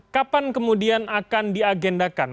kapan kemudian akan diagendakan